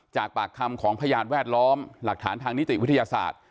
จากปากคำของพยานแวดล้อมหลักฐานทางนิติวิทยาศาสตร์